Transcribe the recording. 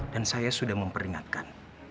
dan saya sudah memperingatkan